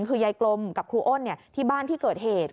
คือยายกลมกับครูอ้นที่บ้านที่เกิดเหตุ